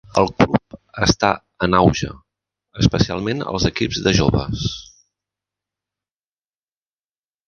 El club està en auge, especialment els equips de joves.